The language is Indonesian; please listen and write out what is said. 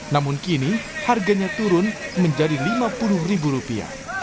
namun kini harganya turun menjadi lima puluh ribu rupiah